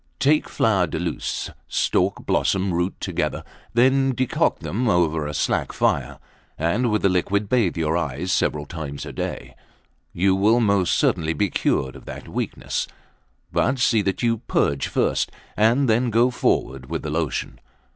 Take flower de luces, stalk, blossom, root, together; then decoct them over a slack fire; and with the liquid bathe your eyes several times a day; you will most certainly be cured of that weakness; but see that you purge first, and then go forward with the lotion."